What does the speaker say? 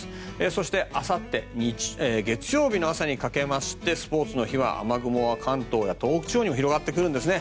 そして、あさって月曜日の朝にかけましてスポーツの日は雨雲は関東や東北地方にも広がってくるんですね。